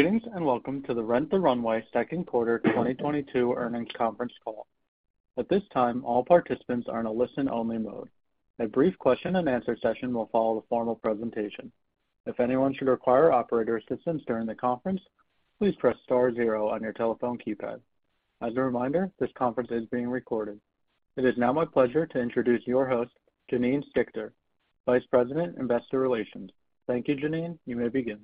Greetings, and welcome to the Rent the Runway Second Quarter 2022 Earnings Conference Call. At this time, all participants are in a listen-only mode. A brief question-and-answer session will follow the formal presentation. If anyone should require operator assistance during the conference, please press star zero on your telephone keypad. As a reminder, this conference is being recorded. It is now my pleasure to introduce your host, Janine Stichter, Vice President, Investor Relations. Thank you, Janine. You may begin.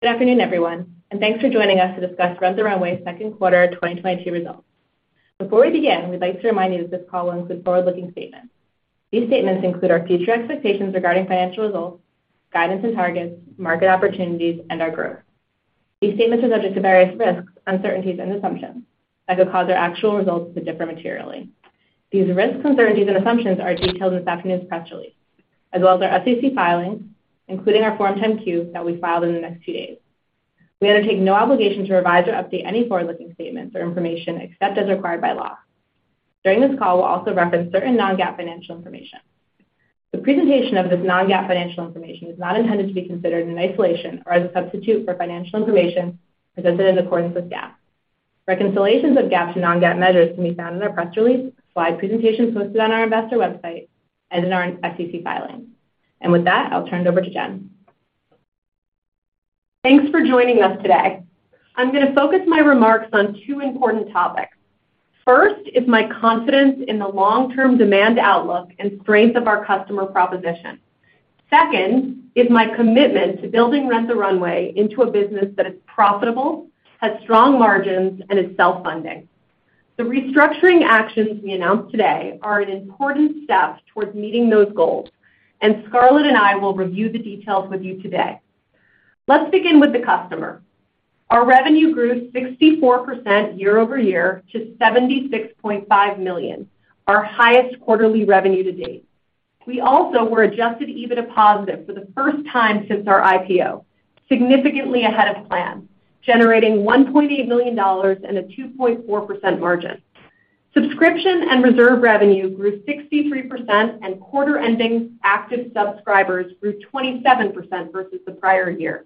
Good afternoon, everyone, and thanks for joining us to discuss Rent the Runway second quarter 2022 results. Before we begin, we'd like to remind you that this call includes forward-looking statements. These statements include our future expectations regarding financial results, guidance and targets, market opportunities, and our growth. These statements are subject to various risks, uncertainties, and assumptions that could cause our actual results to differ materially. These risks, uncertainties, and assumptions are detailed in this afternoon's press release, as well as our SEC filings, including our Form 10-Q that we file within the next two days. We undertake no obligation to revise or update any forward-looking statements or information except as required by law. During this call, we'll also reference certain non-GAAP financial information. The presentation of this non-GAAP financial information is not intended to be considered in isolation or as a substitute for financial information presented in accordance with GAAP. Reconciliations of GAAP to non-GAAP measures can be found in our press release, slide presentations posted on our investor website, and in our SEC filings. With that, I'll turn it over to Jen. Thanks for joining us today. I'm gonna focus my remarks on two important topics. First is my confidence in the long-term demand outlook and strength of our customer proposition. Second is my commitment to building Rent the Runway into a business that is profitable, has strong margins, and is self-funding. The restructuring actions we announce today are an important step towards meeting those goals, and Scarlett and I will review the details with you today. Let's begin with the customer. Our revenue grew 64% year-over-year to $76.5 million, our highest quarterly revenue to date. We also were adjusted EBITDA positive for the first time since our IPO, significantly ahead of plan, generating $1.8 million and a 2.4% margin. Subscription and Reserve revenue grew 63%, and quarter ending active subscribers grew 27% versus the prior year.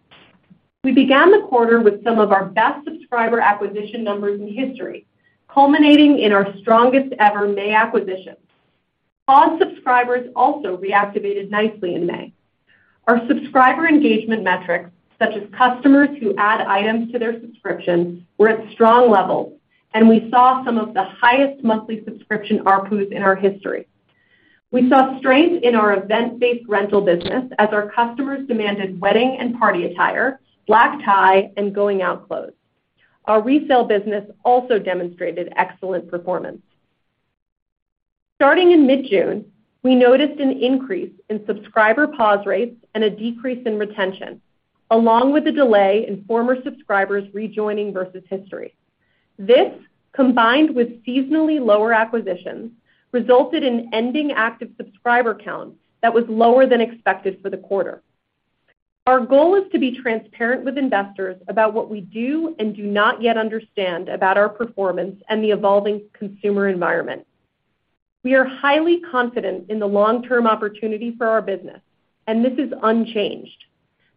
We began the quarter with some of our best subscriber acquisition numbers in history, culminating in our strongest ever May acquisitions. Paused subscribers also reactivated nicely in May. Our subscriber engagement metrics, such as customers who add items to their subscription, were at strong levels, and we saw some of the highest monthly subscription ARPU in our history. We saw strength in our event-based rental business as our customers demanded wedding and party attire, black tie, and going-out clothes. Our resale business also demonstrated excellent performance. Starting in mid-June, we noticed an increase in subscriber pause rates and a decrease in retention, along with a delay in former subscribers rejoining versus history. This, combined with seasonally lower acquisitions, resulted in ending active subscriber count that was lower than expected for the quarter. Our goal is to be transparent with investors about what we do and do not yet understand about our performance and the evolving consumer environment. We are highly confident in the long-term opportunity for our business, and this is unchanged.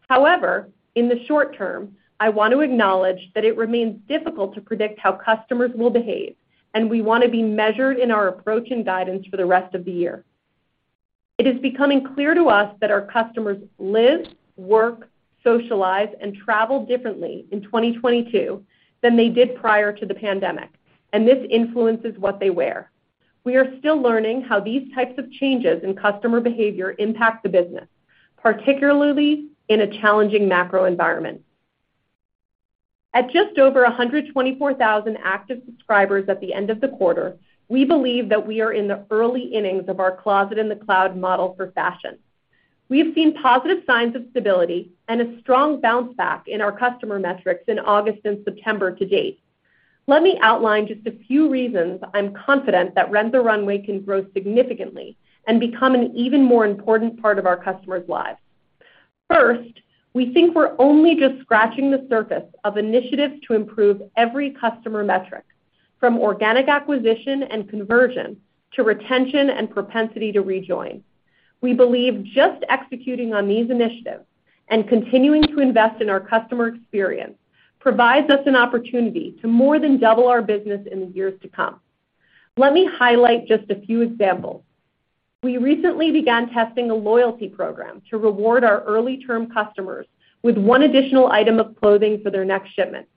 However, in the short term, I want to acknowledge that it remains difficult to predict how customers will behave, and we wanna be measured in our approach and guidance for the rest of the year. It is becoming clear to us that our customers live, work, socialize, and travel differently in 2022 than they did prior to the pandemic, and this influences what they wear. We are still learning how these types of changes in customer behavior impact the business, particularly in a challenging macro environment. At just over 124,000 active subscribers at the end of the quarter, we believe that we are in the early innings of our Closet in the Cloud model for fashion. We have seen positive signs of stability and a strong bounce back in our customer metrics in August and September to date. Let me outline just a few reasons I'm confident that Rent the Runway can grow significantly and become an even more important part of our customers' lives. First, we think we're only just scratching the surface of initiatives to improve every customer metric, from organic acquisition and conversion to retention and propensity to rejoin. We believe just executing on these initiatives and continuing to invest in our customer experience provides us an opportunity to more than double our business in the years to come. Let me highlight just a few examples. We recently began testing a loyalty program to reward our early-term customers with one additional item of clothing for their next shipment.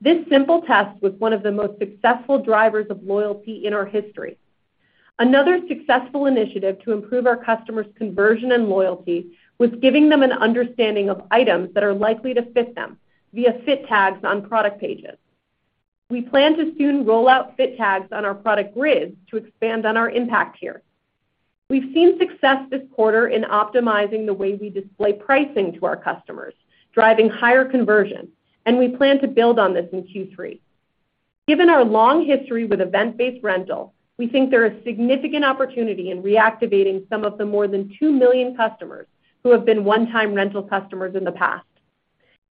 This simple test was one of the most successful drivers of loyalty in our history. Another successful initiative to improve our customers' conversion and loyalty was giving them an understanding of items that are likely to fit them via fit tags on product pages. We plan to soon roll out fit tags on our product grids to expand on our impact here. We've seen success this quarter in optimizing the way we display pricing to our customers, driving higher conversion, and we plan to build on this in Q3. Given our long history with event-based rental, we think there is significant opportunity in reactivating some of the more than 2 million customers who have been one-time rental customers in the past.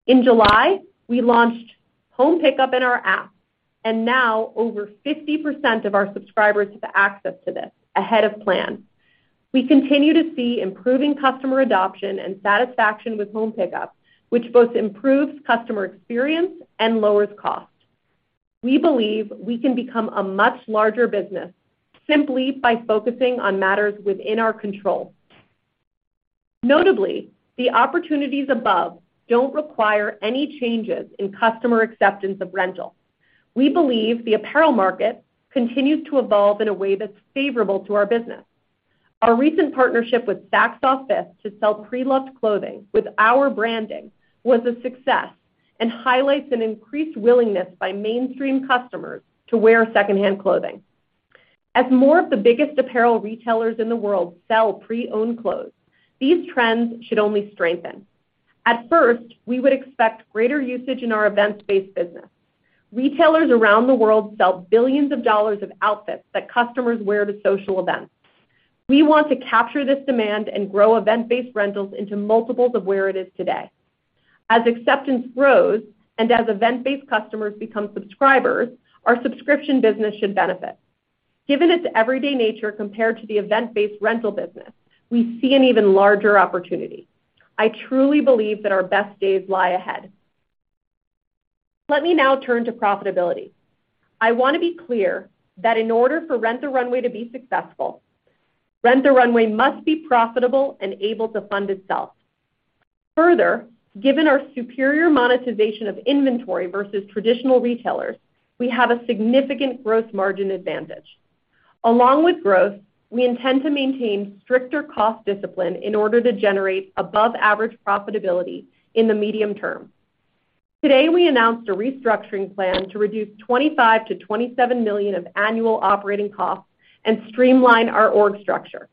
In July, we launched At-Home Pickup in our app. Now over 50% of our subscribers have access to this ahead of plan. We continue to see improving customer adoption and satisfaction with At-Home Pickup, which both improves customer experience and lowers cost. We believe we can become a much larger business simply by focusing on matters within our control. Notably, the opportunities above don't require any changes in customer acceptance of rental. We believe the apparel market continues to evolve in a way that's favorable to our business. Our recent partnership with Saks OFF 5TH to sell pre-loved clothing with our branding was a success and highlights an increased willingness by mainstream customers to wear secondhand clothing. As more of the biggest apparel retailers in the world sell pre-owned clothes, these trends should only strengthen. At first, we would expect greater usage in our events-based business. Retailers around the world sell billions of dollars of outfits that customers wear to social events. We want to capture this demand and grow event-based rentals into multiples of where it is today. As acceptance grows, and as event-based customers become subscribers, our subscription business should benefit. Given its everyday nature compared to the event-based rental business, we see an even larger opportunity. I truly believe that our best days lie ahead. Let me now turn to profitability. I want to be clear that in order for Rent the Runway to be successful, Rent the Runway must be profitable and able to fund itself. Further, given our superior monetization of inventory versus traditional retailers, we have a significant gross margin advantage. Along with growth, we intend to maintain stricter cost discipline in order to generate above-average profitability in the medium term. Today, we announced a restructuring plan to reduce $25 million-$27 million of annual operating costs and streamline our org structure.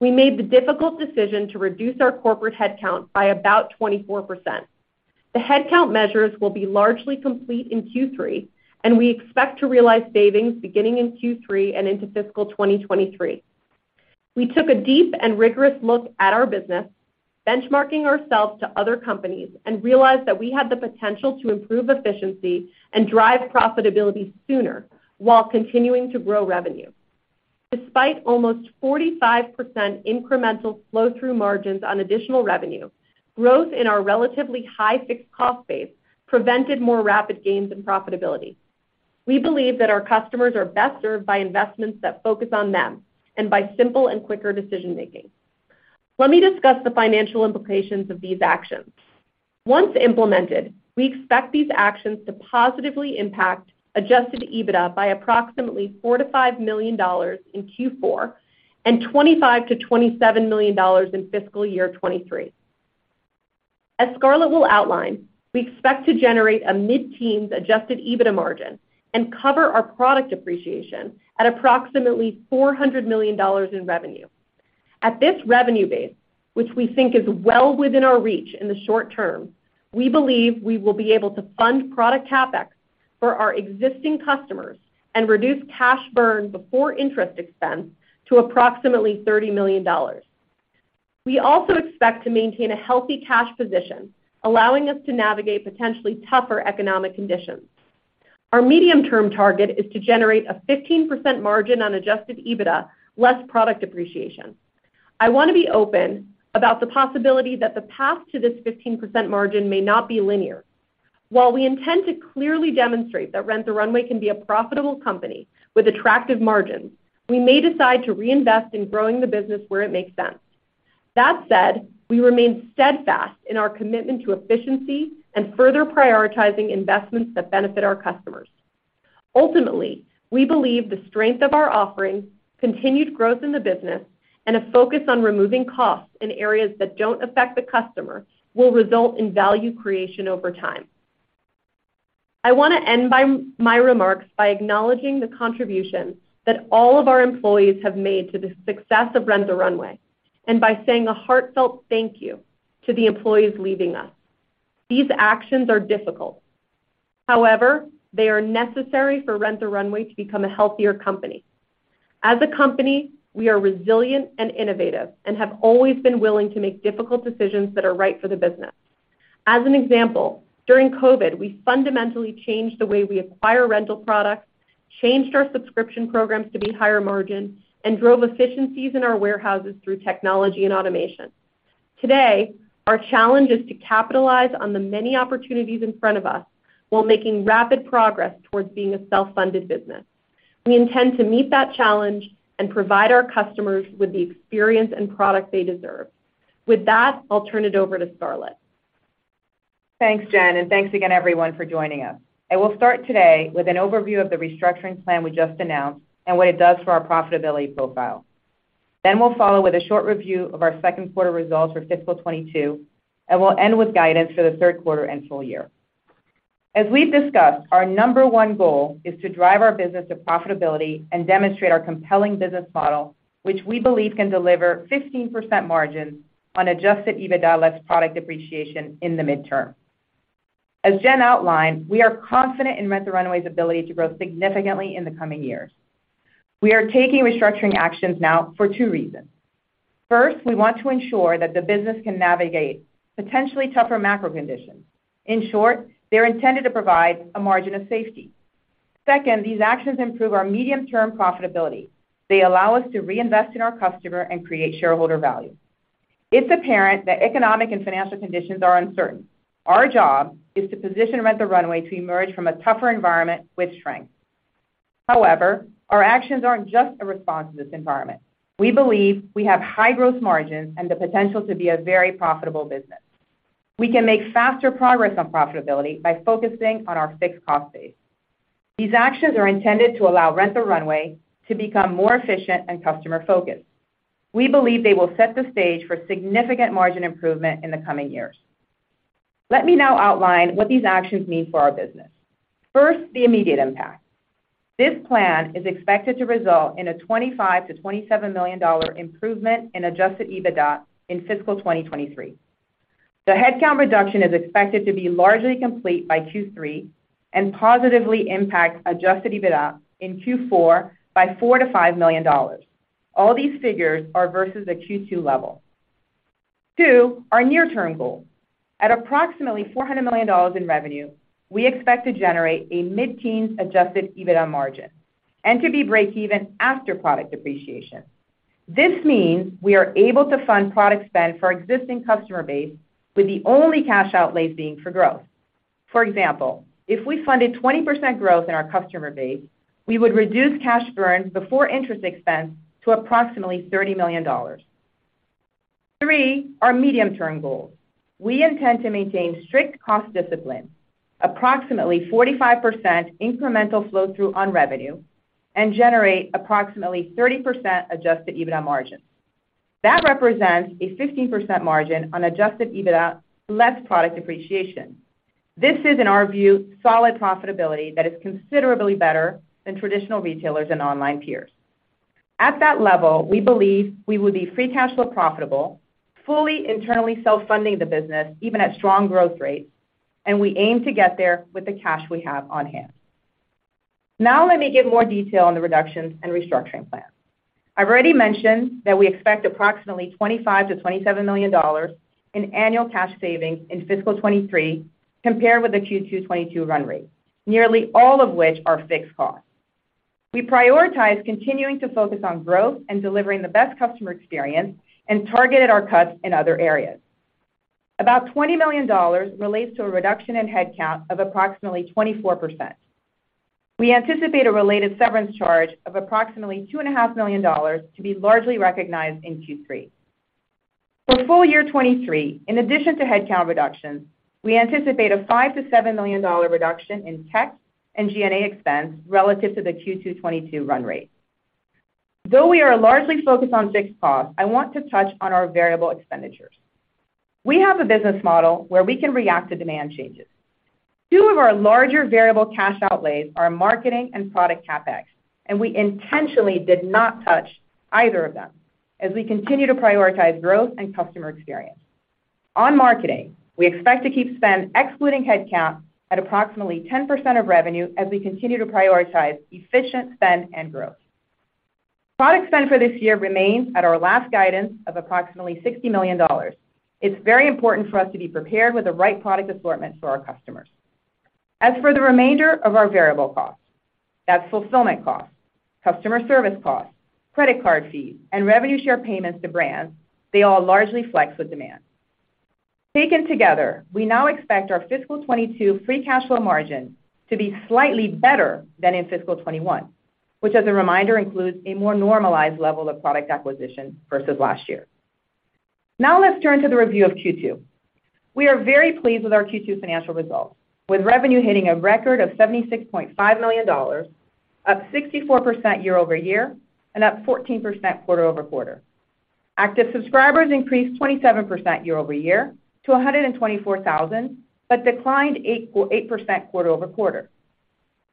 We made the difficult decision to reduce our corporate headcount by about 24%. The headcount measures will be largely complete in Q3, and we expect to realize savings beginning in Q3 and into fiscal 2023. We took a deep and rigorous look at our business, benchmarking ourselves to other companies, and realized that we had the potential to improve efficiency and drive profitability sooner while continuing to grow revenue. Despite almost 45% incremental flow-through margins on additional revenue, growth in our relatively high fixed cost base prevented more rapid gains in profitability. We believe that our customers are best served by investments that focus on them and by simple and quicker decision-making. Let me discuss the financial implications of these actions. Once implemented, we expect these actions to positively impact adjusted EBITDA by approximately $4 million-$5 million in Q4 and $25 million-$27 million in fiscal year 2023. As Scarlett will outline, we expect to generate a mid-teen adjusted EBITDA margin and cover our product depreciation at approximately $400 million in revenue. At this revenue base, which we think is well within our reach in the short term, we believe we will be able to fund product CapEx for our existing customers and reduce cash burn before interest expense to approximately $30 million. We also expect to maintain a healthy cash position, allowing us to navigate potentially tougher economic conditions. Our medium-term target is to generate a 15% margin on adjusted EBITDA, less product depreciation. I want to be open about the possibility that the path to this 15% margin may not be linear. While we intend to clearly demonstrate that Rent the Runway can be a profitable company with attractive margins, we may decide to reinvest in growing the business where it makes sense. That said, we remain steadfast in our commitment to efficiency and further prioritizing investments that benefit our customers. Ultimately, we believe the strength of our offerings, continued growth in the business, and a focus on removing costs in areas that don't affect the customer will result in value creation over time. I want to end my remarks by acknowledging the contributions that all of our employees have made to the success of Rent the Runway, and by saying a heartfelt thank you to the employees leaving us. These actions are difficult. However, they are necessary for Rent the Runway to become a healthier company. As a company, we are resilient and innovative and have always been willing to make difficult decisions that are right for the business. As an example, during COVID, we fundamentally changed the way we acquire rental products, changed our subscription programs to be higher margin, and drove efficiencies in our warehouses through technology and automation. Today, our challenge is to capitalize on the many opportunities in front of us while making rapid progress towards being a self-funded business. We intend to meet that challenge and provide our customers with the experience and product they deserve. With that, I'll turn it over to Scarlett. Thanks, Jen. Thanks again everyone for joining us. I will start today with an overview of the restructuring plan we just announced and what it does for our profitability profile. We'll follow with a short review of our second quarter results for fiscal 2022, and we'll end with guidance for the third quarter and full year. As we've discussed, our number one goal is to drive our business to profitability and demonstrate our compelling business model, which we believe can deliver 15% margins on adjusted EBITDA less product depreciation in the midterm. As Jen outlined, we are confident in Rent the Runway's ability to grow significantly in the coming years. We are taking restructuring actions now for two reasons. First, we want to ensure that the business can navigate potentially tougher macro conditions. In short, they're intended to provide a margin of safety. Second, these actions improve our medium-term profitability. They allow us to reinvest in our customer and create shareholder value. It's apparent that economic and financial conditions are uncertain. Our job is to position Rent the Runway to emerge from a tougher environment with strength. However, our actions aren't just a response to this environment. We believe we have high growth margins and the potential to be a very profitable business. We can make faster progress on profitability by focusing on our fixed cost base. These actions are intended to allow Rent the Runway to become more efficient and customer-focused. We believe they will set the stage for significant margin improvement in the coming years. Let me now outline what these actions mean for our business. First, the immediate impact. This plan is expected to result in a $25 million-$27 million improvement in adjusted EBITDA in fiscal 2023. The headcount reduction is expected to be largely complete by Q3 and positively impact adjusted EBITDA in Q4 by $4 million-$5 million. All these figures are versus the Q2 level. Two, our near-term goal. At approximately $400 million in revenue, we expect to generate a mid-teen adjusted EBITDA margin and to be breakeven after product depreciation. This means we are able to fund product spend for our existing customer base with the only cash outlay being for growth. For example, if we funded 20% growth in our customer base, we would reduce cash burn before interest expense to approximately $30 million. Three, our medium-term goals. We intend to maintain strict cost discipline, approximately 45% incremental flow-through on revenue, and generate approximately 30% adjusted EBITDA margin. That represents a 15% margin on adjusted EBITDA, less product depreciation. This is, in our view, solid profitability that is considerably better than traditional retailers and online peers. At that level, we believe we would be free cash flow profitable, fully internally self-funding the business even at strong growth rates, and we aim to get there with the cash we have on hand. Now let me give more detail on the reductions and restructuring plan. I've already mentioned that we expect approximately $25 million-$27 million in annual cash savings in fiscal 2023 compared with the Q2 2022 run rate, nearly all of which are fixed costs. We prioritize continuing to focus on growth and delivering the best customer experience and targeted our cuts in other areas. About $20 million relates to a reduction in headcount of approximately 24%. We anticipate a related severance charge of approximately $2.5 million to be largely recognized in Q3. For full year 2023, in addition to headcount reductions, we anticipate a $5 million-$7 million reduction in tech and G&A expense relative to the Q2 2022 run rate. Though we are largely focused on fixed costs, I want to touch on our variable expenditures. We have a business model where we can react to demand changes. Two of our larger variable cash outlays are marketing and product CapEx, and we intentionally did not touch either of them as we continue to prioritize growth and customer experience. On marketing, we expect to keep spend excluding headcount at approximately 10% of revenue as we continue to prioritize efficient spend and growth. Product spend for this year remains at our last guidance of approximately $60 million. It's very important for us to be prepared with the right product assortment for our customers. As for the remainder of our variable costs, that's fulfillment costs, customer service costs, credit card fees, and revenue share payments to brands. They all largely flex with demand. Taken together, we now expect our fiscal 2022 free cash flow margin to be slightly better than in fiscal 2021, which as a reminder, includes a more normalized level of product acquisition versus last year. Now let's turn to the review of Q2. We are very pleased with our Q2 financial results, with revenue hitting a record of $76.5 million, up 64% year-over-year and up 14% quarter-over-quarter. Active subscribers increased 27% year-over-year to 124,000, but declined 8% quarter-over-quarter.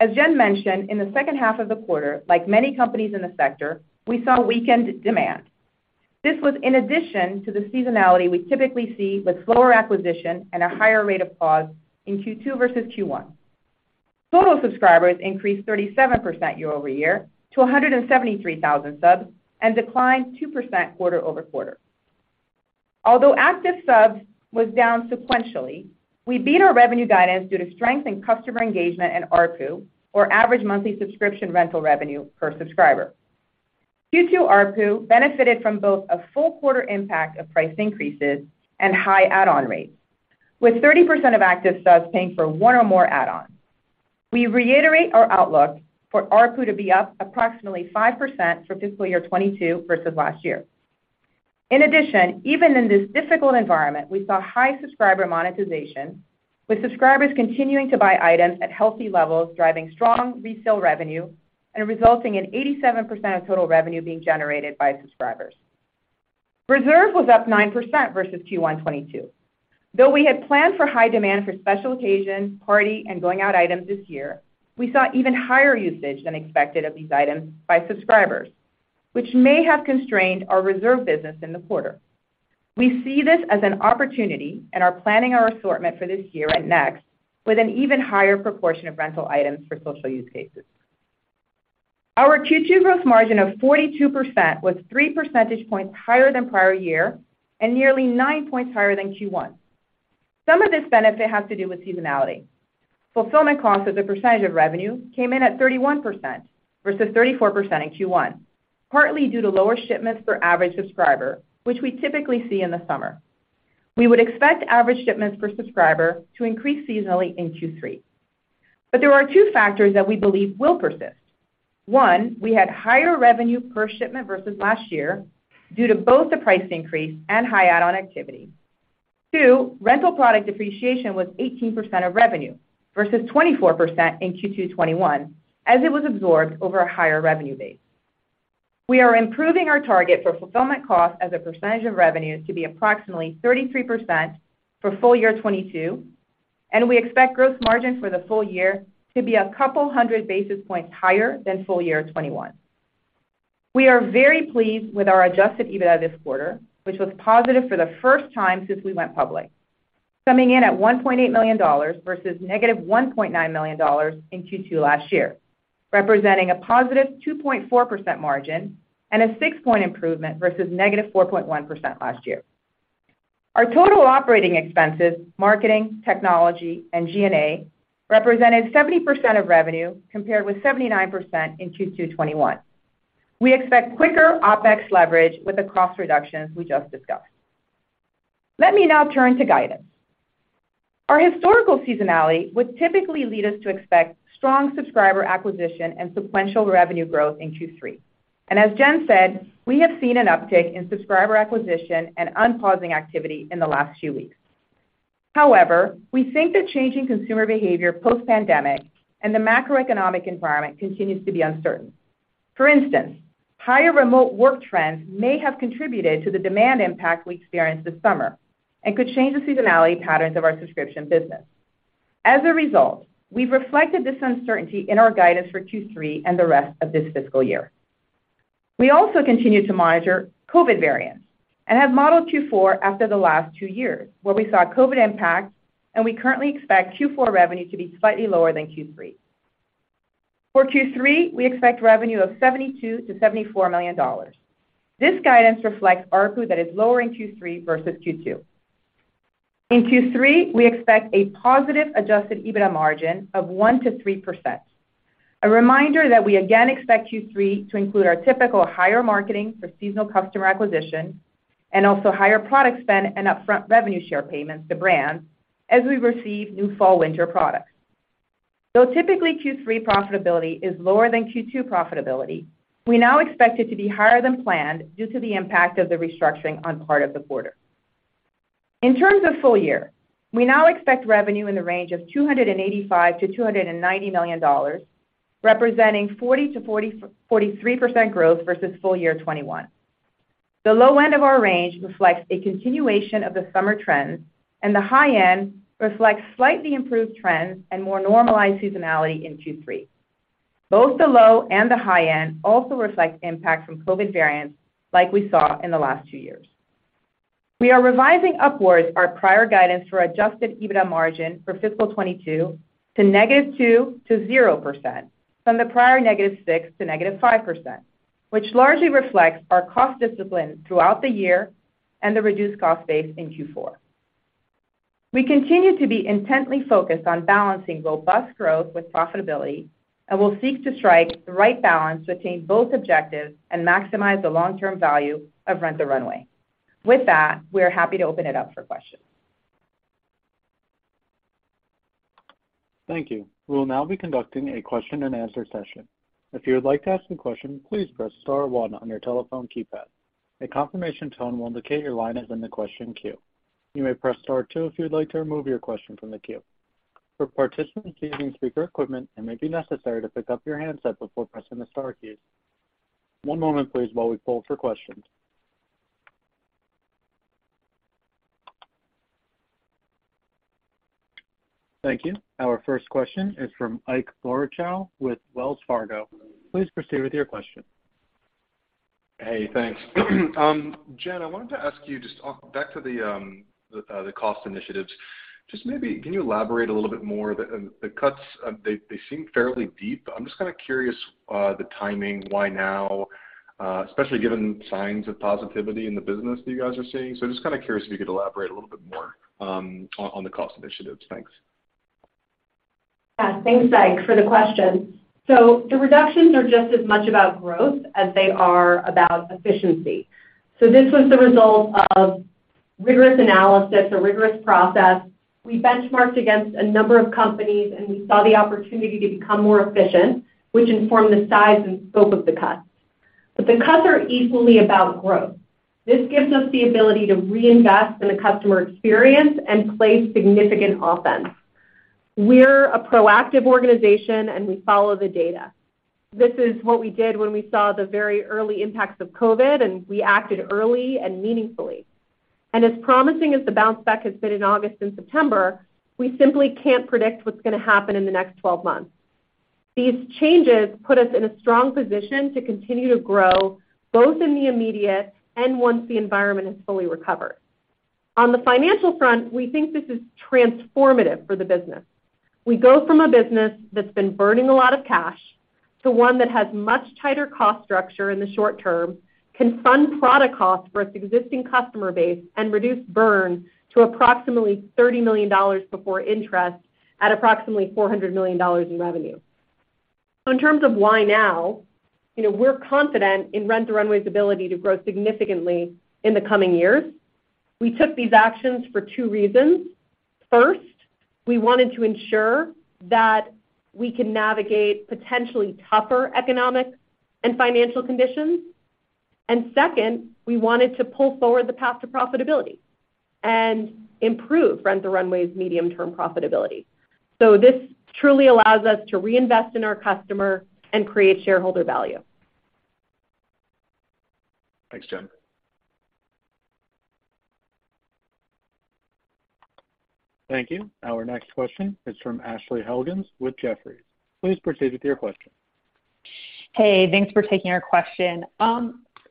As Jen mentioned, in the second half of the quarter, like many companies in the sector, we saw weakened demand. This was in addition to the seasonality we typically see with slower acquisition and a higher rate of pause in Q2 versus Q1. Total subscribers increased 37% year-over-year to 173,000 subs and declined 2% quarter-over-quarter. Although active subs was down sequentially, we beat our revenue guidance due to strength in customer engagement and ARPU, or average monthly subscription rental revenue per subscriber. Q2 ARPU benefited from both a full quarter impact of price increases and high add-on rates, with 30% of active subs paying for one or more add-ons. We reiterate our outlook for ARPU to be up approximately 5% for fiscal year 2022 versus last year. In addition, even in this difficult environment, we saw high subscriber monetization, with subscribers continuing to buy items at healthy levels, driving strong resale revenue and resulting in 87% of total revenue being generated by subscribers. Reserve was up 9% versus Q1 2022. Though we had planned for high demand for special occasion, party, and going out items this year, we saw even higher usage than expected of these items by subscribers, which may have constrained our Reserve business in the quarter. We see this as an opportunity and are planning our assortment for this year and next with an even higher proportion of rental items for social use cases. Our Q2 gross margin of 42% was 3 percentage points higher than prior year and nearly 9 points higher than Q1. Some of this benefit has to do with seasonality. Fulfillment costs as a percentage of revenue came in at 31% versus 34% in Q1, partly due to lower shipments per average subscriber, which we typically see in the summer. We would expect average shipments per subscriber to increase seasonally in Q3. There are two factors that we believe will persist. One, we had higher revenue per shipment versus last year due to both the price increase and high add-on activity. Two, rental product depreciation was 18% of revenue versus 24% in Q2 2021, as it was absorbed over a higher revenue base. We are improving our target for fulfillment costs as a percentage of revenue to be approximately 33% for full year 2022, and we expect gross margin for the full year to be a couple hundred basis points higher than full year 2021. We are very pleased with our adjusted EBITDA this quarter, which was positive for the first time since we went public, coming in at $1.8 million versus -$1.9 million in Q2 last year, representing a +2.4% margin and a 6-point improvement versus -4.1% last year. Our total operating expenses, marketing, technology, and G&A, represented 70% of revenue compared with 79% in Q2 2021. We expect quicker OpEx leverage with the cost reductions we just discussed. Let me now turn to guidance. Our historical seasonality would typically lead us to expect strong subscriber acquisition and sequential revenue growth in Q3. As Jen said, we have seen an uptick in subscriber acquisition and unpausing activity in the last few weeks. However, we think the changing consumer behavior post-pandemic and the macroeconomic environment continues to be uncertain. For instance, higher remote work trends may have contributed to the demand impact we experienced this summer and could change the seasonality patterns of our subscription business. As a result, we've reflected this uncertainty in our guidance for Q3 and the rest of this fiscal year. We also continue to monitor COVID variants and have modeled Q4 after the last two years, where we saw COVID impact, and we currently expect Q4 revenue to be slightly lower than Q3. For Q3, we expect revenue of $72 million-$74 million. This guidance reflects ARPU that is lower in Q3 versus Q2. In Q3, we expect a positive adjusted EBITDA margin of 1%-3%. A reminder that we again expect Q3 to include our typical higher marketing for seasonal customer acquisition and also higher product spend and upfront revenue share payments to brands as we receive new fall/winter products. Though typically Q3 profitability is lower than Q2 profitability, we now expect it to be higher than planned due to the impact of the restructuring on part of the quarter. In terms of full year, we now expect revenue in the range of $285 million-$290 million, representing 40%-43% growth versus full year 2021. The low end of our range reflects a continuation of the summer trends, and the high end reflects slightly improved trends and more normalized seasonality in Q3. Both the low and the high end also reflect impact from COVID variants like we saw in the last two years. We are revising upwards our prior guidance for adjusted EBITDA margin for fiscal 2022 to -2% to 0% from the prior -6% to 5%, which largely reflects our cost discipline throughout the year and the reduced cost base in Q4. We continue to be intently focused on balancing robust growth with profitability and will seek to strike the right balance to attain both objectives and maximize the long-term value of Rent the Runway. With that, we are happy to open it up for questions. Thank you. We will now be conducting a question-and-answer session. If you would like to ask a question, please press star one on your telephone keypad. A confirmation tone will indicate your line is in the question queue. You may press star two if you would like to remove your question from the queue. For participants using speaker equipment, it may be necessary to pick up your handset before pressing the star keys. One moment, please, while we poll for questions. Thank you. Our first question is from Ike Boruchow with Wells Fargo. Please proceed with your question. Hey, thanks. Jen, I wanted to ask you just on back to the cost initiatives, just maybe can you elaborate a little bit more? The cuts, they seem fairly deep. I'm just kinda curious, the timing, why now, especially given signs of positivity in the business that you guys are seeing. Just kinda curious if you could elaborate a little bit more on the cost initiatives. Thanks. Yeah. Thanks, Ike, for the question. The reductions are just as much about growth as they are about efficiency. This was the result of rigorous analysis, a rigorous process. We benchmarked against a number of companies, and we saw the opportunity to become more efficient, which informed the size and scope of the cuts. The cuts are equally about growth. This gives us the ability to reinvest in the customer experience and place significant offense. We're a proactive organization, and we follow the data. This is what we did when we saw the very early impacts of COVID, and we acted early and meaningfully. As promising as the bounce back has been in August and September, we simply can't predict what's gonna happen in the next 12 months. These changes put us in a strong position to continue to grow, both in the immediate and once the environment has fully recovered. On the financial front, we think this is transformative for the business. We go from a business that's been burning a lot of cash to one that has much tighter cost structure in the short term, can fund product costs for its existing customer base, and reduce burn to approximately $30 million before interest at approximately $400 million in revenue. In terms of why now, you know, we're confident in Rent the Runway's ability to grow significantly in the coming years. We took these actions for two reasons. First, we wanted to ensure that we can navigate potentially tougher economic and financial conditions. Second, we wanted to pull forward the path to profitability and improve Rent the Runway's medium-term profitability. This truly allows us to reinvest in our customer and create shareholder value. Thanks, Jen. Thank you. Our next question is from Ashley Helgans with Jefferies. Please proceed with your question. Hey, thanks for taking our question.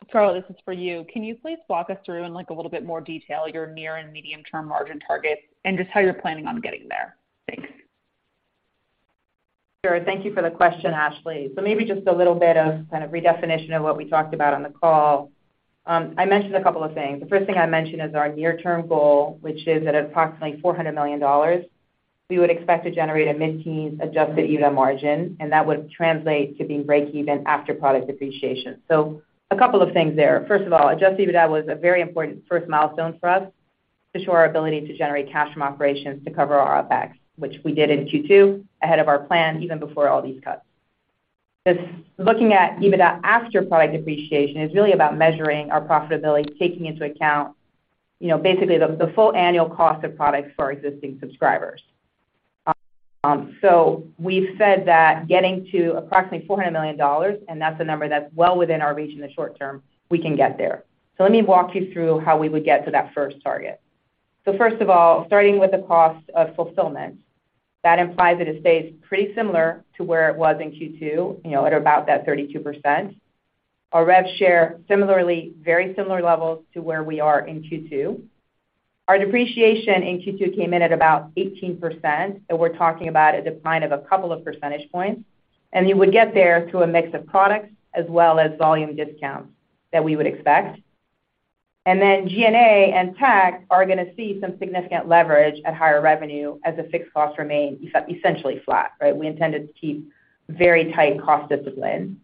Scarlett, this is for you. Can you please walk us through in, like, a little bit more detail your near and medium-term margin targets and just how you're planning on getting there? Thanks. Sure. Thank you for the question, Ashley. Maybe just a little bit of kind of redefinition of what we talked about on the call. I mentioned a couple of things. The first thing I mentioned is our near-term goal, which is at approximately $400 million, we would expect to generate a mid-teens adjusted EBITDA margin, and that would translate to being breakeven after product depreciation. A couple of things there. First of all, adjusted EBITDA was a very important first milestone for us to show our ability to generate cash from operations to cover our OpEx, which we did in Q2 ahead of our plan, even before all these cuts. Just looking at EBITDA after product depreciation is really about measuring our profitability, taking into account, you know, basically the full annual cost of products for our existing subscribers. We've said that getting to approximately $400 million, and that's a number that's well within our reach in the short term, we can get there. Let me walk you through how we would get to that first target. First of all, starting with the cost of fulfillment, that implies that it stays pretty similar to where it was in Q2, you know, at about that 32%. Our rev share similarly, very similar levels to where we are in Q2. Our depreciation in Q2 came in at about 18%, and we're talking about a decline of a couple of percentage points. You would get there through a mix of products as well as volume discounts that we would expect. Then G&A and tech are gonna see some significant leverage at higher revenue as the fixed costs remain essentially flat, right? We intended to keep very tight cost discipline.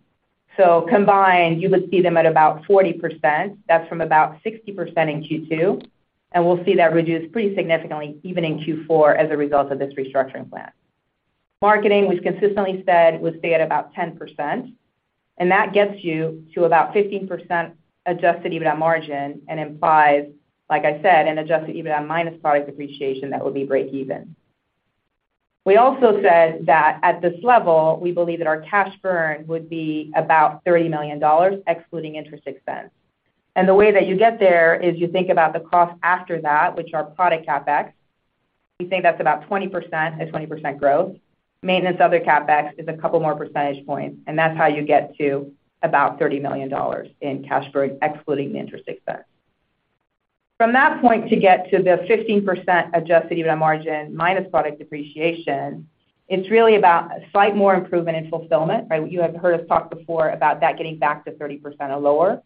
Combined, you would see them at about 40%. That's from about 60% in Q2, and we'll see that reduce pretty significantly even in Q4 as a result of this restructuring plan. Marketing, we've consistently said, would stay at about 10%, and that gets you to about 15% adjusted EBITDA margin and implies, like I said, an adjusted EBITDA minus product depreciation that would be breakeven. We also said that at this level, we believe that our cash burn would be about $30 million, excluding interest expense. The way that you get there is you think about the cost after that, which are product CapEx. We think that's about 20%, a 20% growth. Maintenance, other CapEx is a couple more percentage points, and that's how you get to about $30 million in cash burn, excluding the interest expense. From that point to get to the 15% adjusted EBITDA margin minus product depreciation, it's really about a slight more improvement in fulfillment, right? You have heard us talk before about that getting back to 30% or lower.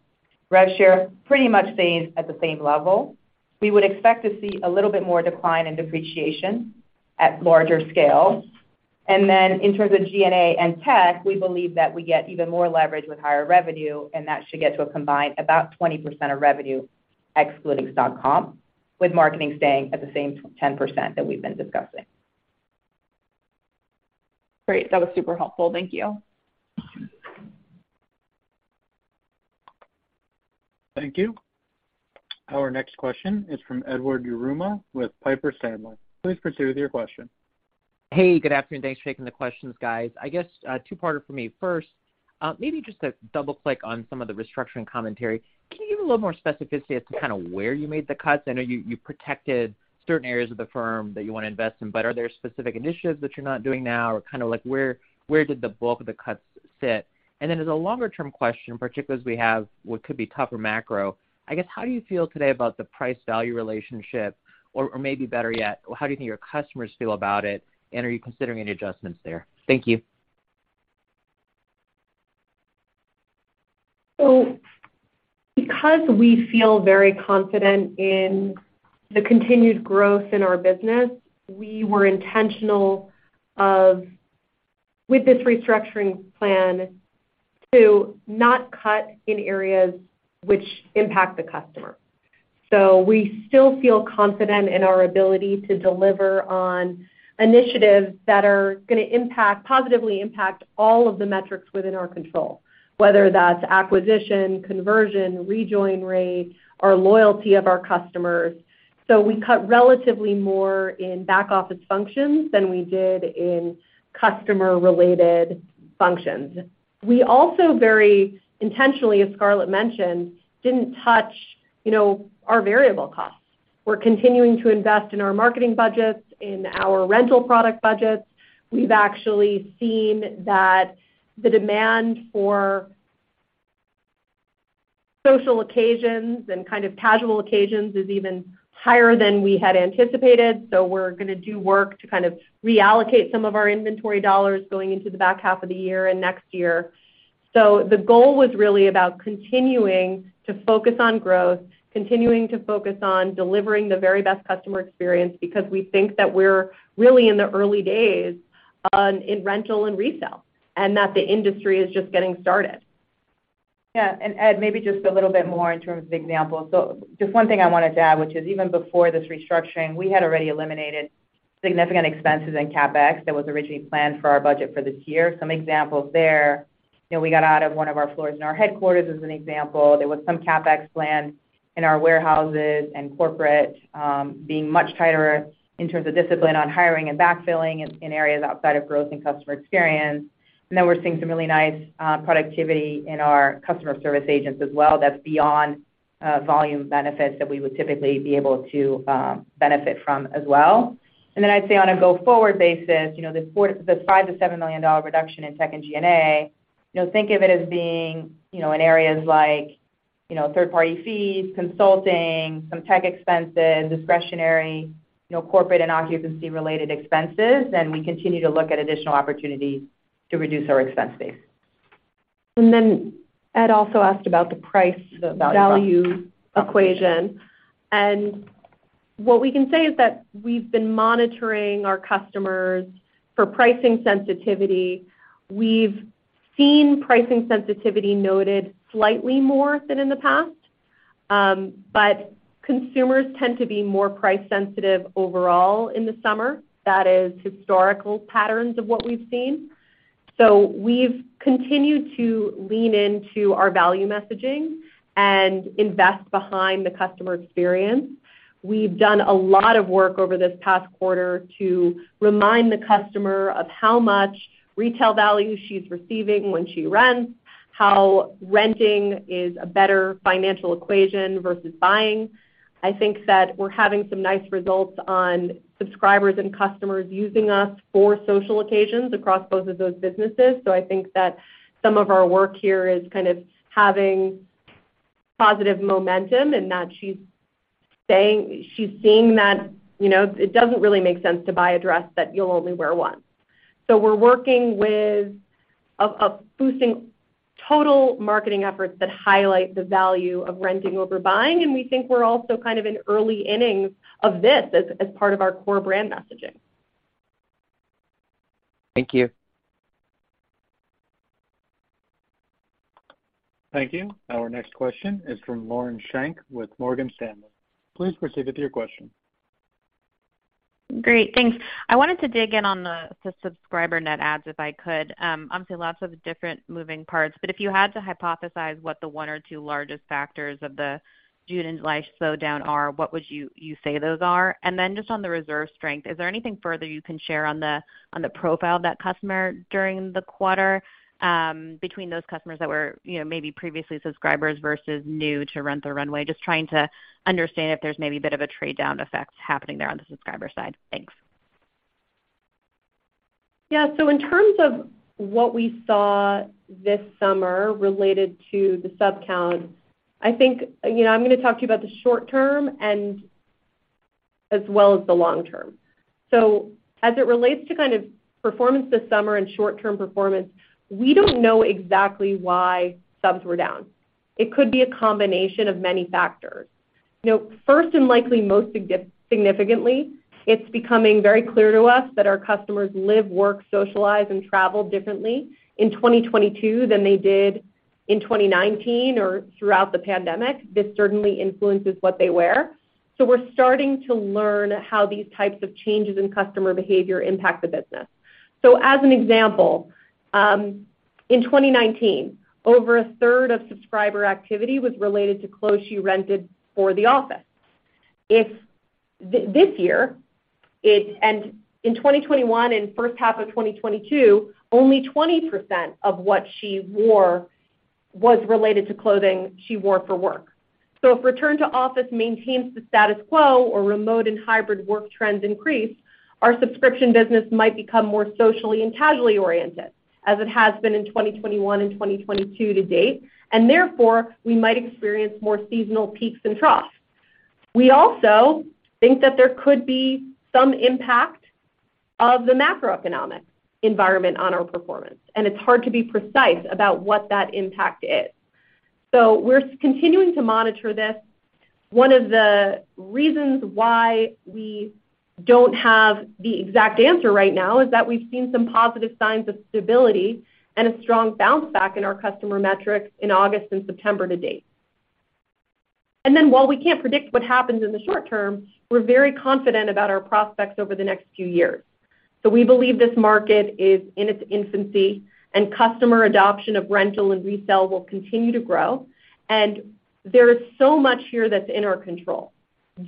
Rev share pretty much stays at the same level. We would expect to see a little bit more decline in depreciation at larger scale. Then in terms of G&A and tech, we believe that we get even more leverage with higher revenue, and that should get to a combined about 20% of revenue excluding stock comp, with marketing staying at the same 10% that we've been discussing. Great. That was super helpful. Thank you. Thank you. Our next question is from Edward Yruma with Piper Sandler. Please proceed with your question. Hey, good afternoon. Thanks for taking the questions, guys. I guess, two-parter from me. First, maybe just a double-click on some of the restructuring commentary. Can you give a little more specificity as to kind of where you made the cuts? I know you protected certain areas of the firm that you wanna invest in, but are there specific initiatives that you're not doing now? Or kind of like where did the bulk of the cuts sit? As a longer-term question, particularly as we have what could be tougher macro, I guess how do you feel today about the price-value relationship? Or, or maybe better yet, how do you think your customers feel about it, and are you considering any adjustments there? Thank you. So because we feel very confident in the continued growth in our business, we were intentional of, with this restructuring plan to not cut in areas which impact the customer. We still feel confident in our ability to deliver on initiatives that are gonna impact, positively impact all of the metrics within our control, whether that's acquisition, conversion, rejoin rate, or loyalty of our customers. So we cut relatively more in back office functions than we did in customer-related functions. We also very intentionally, as Scarlett mentioned, didn't touch, you know, our variable costs. We're continuing to invest in our marketing budgets, in our rental product budgets. We've actually seen that the demand for Social occasions and kind of casual occasions is even higher than we had anticipated, so we're gonna do work to kind of reallocate some of our inventory dollars going into the back half of the year and next year. The goal was really about continuing to focus on growth, continuing to focus on delivering the very best customer experience, because we think that we're really in the early days, in rental and resell, and that the industry is just getting started. Yeah. Ed, maybe just a little bit more in terms of examples. Just one thing I wanted to add, which is even before this restructuring, we had already eliminated significant expenses and CapEx that was originally planned for our budget for this year. Some examples there, you know, we got out of one of our floors in our headquarters as an example. There was some CapEx planned in our warehouses and corporate, being much tighter in terms of discipline on hiring and backfilling in areas outside of growth and customer experience. We're seeing some really nice productivity in our customer service agents as well that's beyond volume benefits that we would typically be able to benefit from as well. I'd say on a go-forward basis, you know, the $5 million-$7 million reduction in tech and G&A, you know, think of it as being, you know, in areas like, you know, third party fees, consulting, some tech expenses, discretionary, you know, corporate and occupancy related expenses. We continue to look at additional opportunities to reduce our expense base. And then Ed also asked about the price... The value proposition. ..value equation. What we can say is that we've been monitoring our customers for pricing sensitivity. We've seen pricing sensitivity noted slightly more than in the past. Consumers tend to be more price sensitive overall in the summer. That is historical patterns of what we've seen. We've continued to lean into our value messaging and invest behind the customer experience. We've done a lot of work over this past quarter to remind the customer of how much retail value she's receiving when she rents, how renting is a better financial equation versus buying. I think that we're having some nice results on subscribers and customers using us for social occasions across both of those businesses. I think that some of our work here is kind of having positive momentum and that she's seeing that, you know, it doesn't really make sense to buy a dress that you'll only wear once. We're working with boosting total marketing efforts that highlight the value of renting over buying, and we think we're also kind of in early innings of this as part of our core brand messaging. Thank you. Thank you. Our next question is from Lauren Schenk with Morgan Stanley. Please proceed with your question. Great. Thanks. I wanted to dig in on the subscriber net adds, if I could. Obviously lots of different moving parts, but if you had to hypothesize what the one or two largest factors of the June and July slowdown are, what would you say those are? And then just on the Reserve strength, is there anything further you can share on the profile of that customer during the quarter, between those customers that were, you know, maybe previously subscribers versus new to Rent the Runway? Just trying to understand if there's maybe a bit of a trade down effect happening there on the subscriber side. Thanks. Yeah. In terms of what we saw this summer related to the sub count, I think. You know, I'm gonna talk to you about the short term and as well as the long term. As it relates to kind of performance this summer and short-term performance, we don't know exactly why subs were down. It could be a combination of many factors. You know, first and likely most significantly, it's becoming very clear to us that our customers live, work, socialize, and travel differently in 2022 than they did in 2019 or throughout the pandemic. This certainly influences what they wear. We're starting to learn how these types of changes in customer behavior impact the business. As an example, in 2019, over a third of subscriber activity was related to clothes she rented for the office. This year, and in 2021 and first half of 2022, only 20% of what she wore was related to clothing she wore for work. If return to office maintains the status quo or remote and hybrid work trends increase, our Subscription business might become more socially and casually oriented, as it has been in 2021 and 2022 to date, and therefore, we might experience more seasonal peaks and troughs. We also think that there could be some impact of the macroeconomic environment on our performance, and it's hard to be precise about what that impact is. We're continuing to monitor this. One of the reasons why we don't have the exact answer right now is that we've seen some positive signs of stability and a strong bounce back in our customer metrics in August and September to date. While we can't predict what happens in the short term, we're very confident about our prospects over the next few years. We believe this market is in its infancy and customer adoption of rental and resale will continue to grow. There is so much here that's in our control.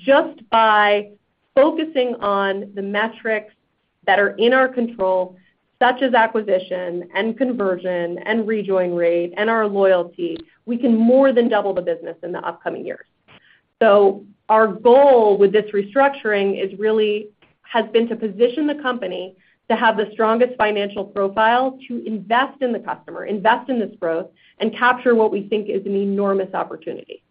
Just by focusing on the metrics that are in our control, such as acquisition and conversion and rejoin rate and our loyalty, we can more than double the business in the upcoming years. Our goal with this restructuring has been to position the company to have the strongest financial profile to invest in the customer, invest in this growth, and capture what we think is an enormous opportunity.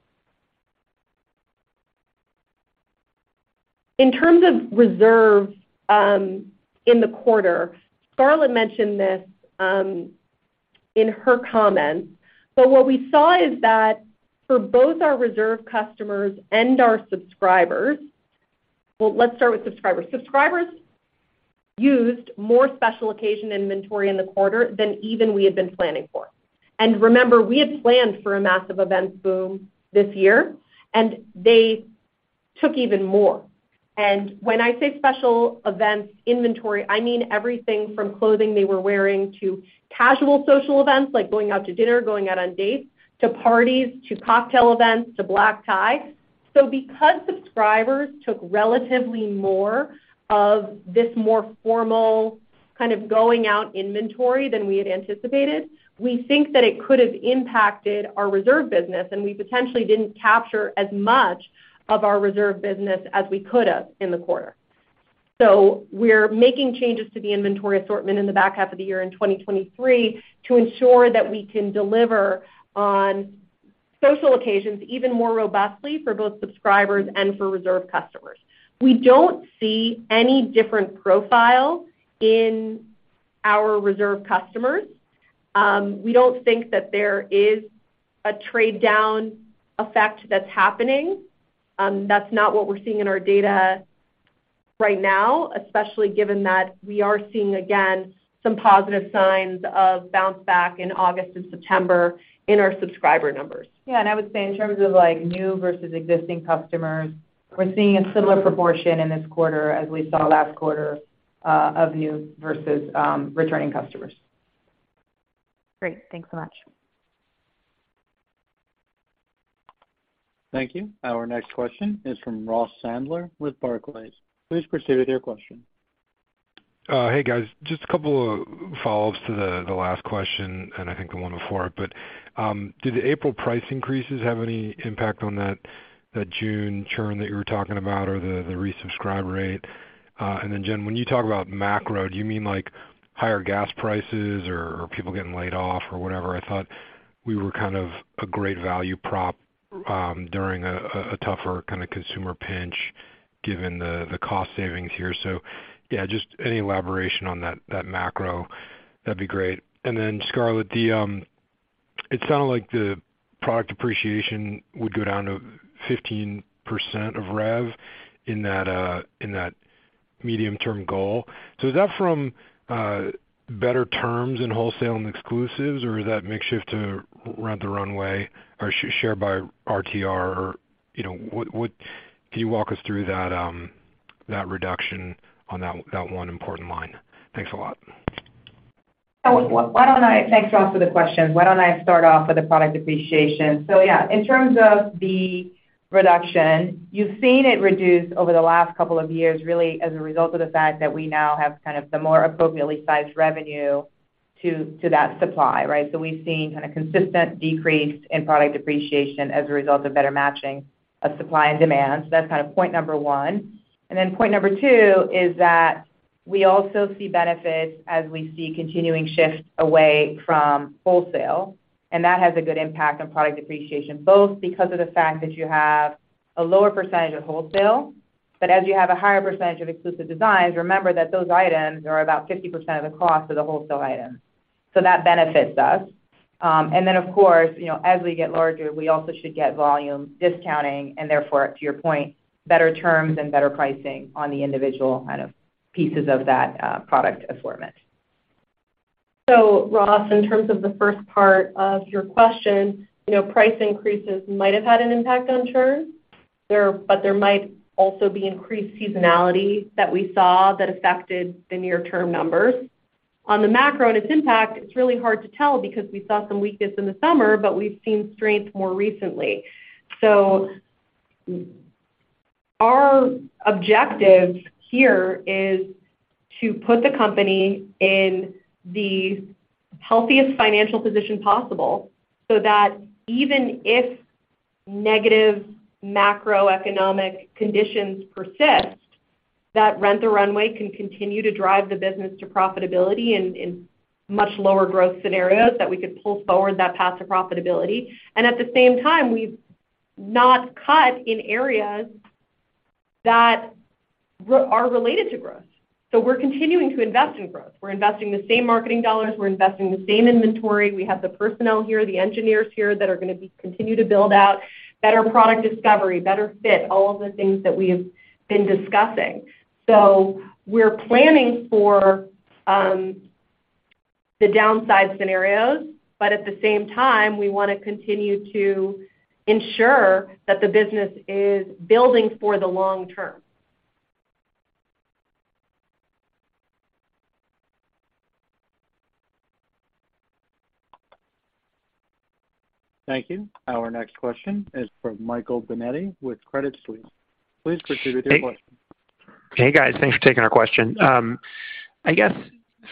In terms of Reserve, in the quarter, Scarlett mentioned this, in her comments, but what we saw is that for both our Reserve customers and our subscribers. Well, let's start with subscribers. Subscribers used more special occasion inventory in the quarter than even we had been planning for. Remember, we had planned for a massive events boom this year, and they took even more. When I say special events inventory, I mean everything from clothing they were wearing to casual social events, like going out to dinner, going out on dates, to parties, to cocktail events, to black tie. Because subscribers took relatively more of this more formal kind of going out inventory than we had anticipated, we think that it could have impacted our Reserve business, and we potentially didn't capture as much of our Reserve business as we could have in the quarter. We're making changes to the inventory assortment in the back half of the year in 2023 to ensure that we can deliver on social occasions even more robustly for both subscribers and for Reserve customers. We don't see any different profile in our Reserve customers. We don't think that there is a trade-down effect that's happening. That's not what we're seeing in our data right now, especially given that we are seeing, again, some positive signs of bounce back in August and September in our subscriber numbers. I would say in terms of, like, new versus existing customers, we're seeing a similar proportion in this quarter as we saw last quarter of new versus returning customers. Great. Thanks so much. Thank you. Our next question is from Ross Sandler with Barclays. Please proceed with your question. Hey, guys. Just a couple of follow-ups to the last question, and I think the one before it, but did the April price increases have any impact on that June churn that you were talking about or the resubscribe rate? Jen, when you talk about macro, do you mean, like, higher gas prices or people getting laid off or whatever? I thought we were kind of a great value prop during a tougher kinda consumer pinch given the cost savings here. Yeah, just any elaboration on that macro, that'd be great. Scarlett, it sounded like the product depreciation would go down to 15% of rev in that medium-term goal. Is that from better terms in wholesale and exclusives, or is that a shift to Rent the Runway or shared by RTR? You know, would... can you walk us through that reduction on that one important line? Thanks a lot. Thanks, Ross, for the question. Why don't I start off with the product depreciation? Yeah, in terms of the reduction, you've seen it reduce over the last couple of years, really as a result of the fact that we now have kind of the more appropriately sized revenue to that supply, right? We've seen kind of consistent decrease in product depreciation as a result of better matching of supply and demand. That's kind of point number one. Point number two is that we also see benefits as we see continuing shifts away from wholesale, and that has a good impact on product depreciation, both because of the fact that you have a lower percentage of wholesale, but as you have a higher percentage of exclusive designs, remember that those items are about 50% of the cost of the wholesale items. That benefits us. Of course, you know, as we get larger, we also should get volume discounting and therefore, to your point, better terms and better pricing on the individual kind of pieces of that product assortment. So Ross, in terms of the first part of your question, you know, price increases might have had an impact on churn there, but there might also be increased seasonality that we saw that affected the near-term numbers. On the macro and its impact, it's really hard to tell because we saw some weakness in the summer, but we've seen strength more recently. Our objective here is to put the company in the healthiest financial position possible so that even if negative macroeconomic conditions persist, that Rent the Runway can continue to drive the business to profitability in much lower growth scenarios, that we could pull forward that path to profitability. At the same time, we've not cut in areas that are related to growth. We're continuing to invest in growth. We're investing the same marketing dollars. We're investing the same inventory. We have the personnel here, the engineers here, that are gonna continue to build out better product discovery, better fit, all of the things that we have been discussing. We're planning for the downside scenarios, but at the same time, we wanna continue to ensure that the business is building for the long term. Thank you. Our next question is from Michael Binetti with Credit Suisse. Please proceed with your question. Hey guys, thanks for taking our question. I guess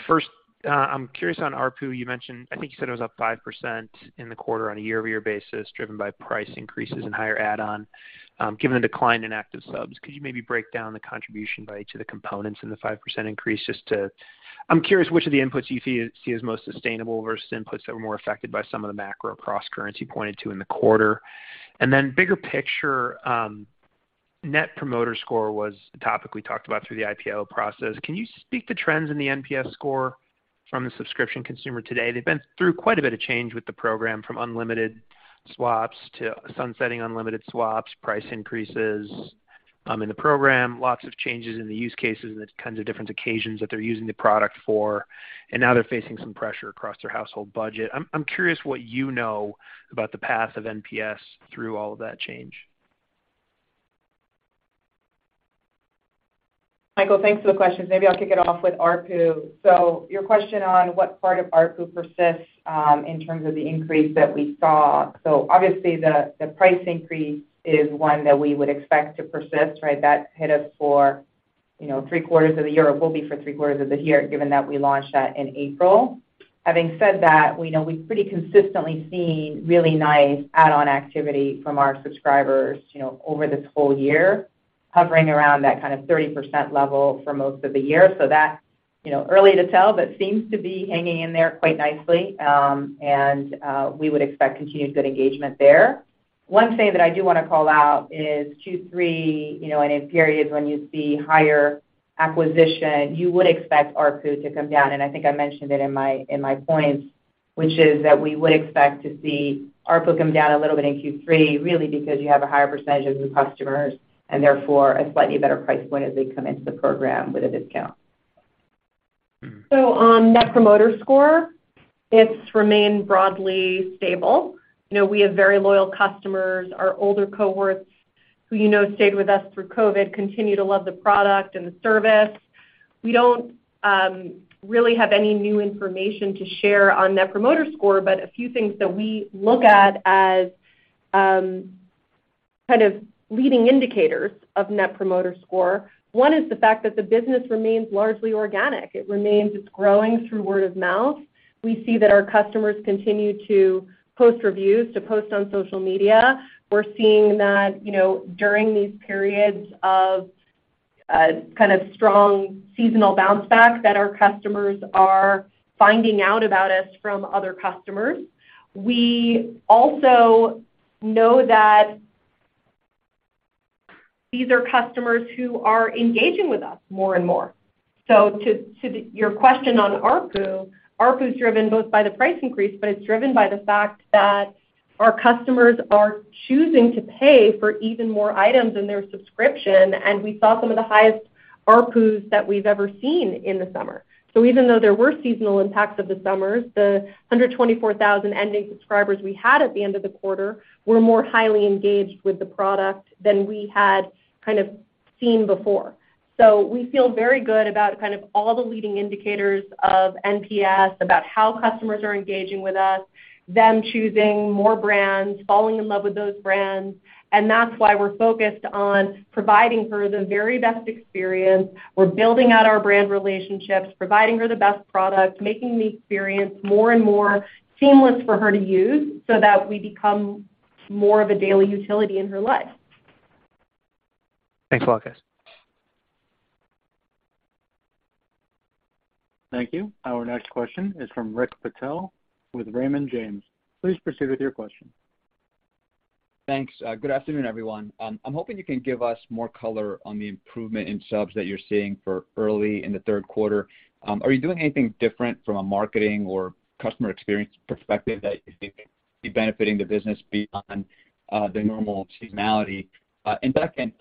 first, I'm curious on ARPU. You mentioned, I think you said it was up 5% in the quarter on a year-over-year basis, driven by price increases and higher add-on, given the decline in active subs. Could you maybe break down the contribution by each of the components in the 5% increase. I'm curious which of the inputs you see as most sustainable versus inputs that were more affected by some of the macro crosscurrents pointed to in the quarter. And bigger picture, Net Promoter Score was a topic we talked about through the IPO process. Can you speak to trends in the NPS score from the subscription consumer today? They've been through quite a bit of change with the program from unlimited swaps to sunsetting unlimited swaps, price increases, in the program, lots of changes in the use cases and the kinds of different occasions that they're using the product for, and now they're facing some pressure across their household budget. I'm curious what you know about the path of NPS through all of that change. Michael, thanks for the questions. Maybe I'll kick it off with ARPU. Your question on what part of ARPU persists in terms of the increase that we saw. Obviously the price increase is one that we would expect to persist, right? That hit us for three quarters of the year, or will be for three quarters of the year, given that we launched that in April. Having said that, we know we've pretty consistently seen really nice add-on activity from our subscribers, you know, over this whole year, hovering around that kind of 30% level for most of the year. That, you know, early to tell, but seems to be hanging in there quite nicely, and we would expect continued good engagement there. One thing that I do wanna call out is Q3, you know. In periods when you see higher acquisition, you would expect ARPU to come down. I think I mentioned it in my points, which is that we would expect to see ARPU come down a little bit in Q3, really because you have a higher percentage of new customers and therefore a slightly better price point as they come into the program with a discount. On Net Promoter Score, it's remained broadly stable. You know, we have very loyal customers. Our older cohorts who, you know, stayed with us through COVID continue to love the product and the service. We don't really have any new information to share on Net Promoter Score, but a few things that we look at as kind of leading indicators of Net Promoter Score. One is the fact that the business remains largely organic. It remains, it's growing through word of mouth. We see that our customers continue to post reviews, to post on social media. We're seeing that, you know, during these periods of kind of strong seasonal bounce back that our customers are finding out about us from other customers. We also know that these are customers who are engaging with us more and more. To your question on ARPU is driven both by the price increase, but it's driven by the fact that our customers are choosing to pay for even more items in their subscription, and we saw some of the highest ARPUs that we've ever seen in the summer. Even though there were seasonal impacts of the summers, the 124,000 ending subscribers we had at the end of the quarter were more highly engaged with the product than we had kind of seen before. We feel very good about kind of all the leading indicators of NPS, about how customers are engaging with us, them choosing more brands, falling in love with those brands, and that's why we're focused on providing her the very best experience. We're building out our brand relationships, providing her the best product, making the experience more and more seamless for her to use so that we become more of a daily utility in her life. Thanks a lot, guys. Thank you. Our next question is from Rick Patel with Raymond James. Please proceed with your question. Thanks. Good afternoon, everyone. I'm hoping you can give us more color on the improvement in subs that you're seeing for early in the third quarter. Are you doing anything different from a marketing or customer experience perspective that you think may be benefiting the business beyond the normal seasonality? Second,